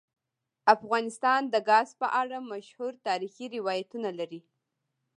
افغانستان د ګاز په اړه مشهور تاریخی روایتونه لري.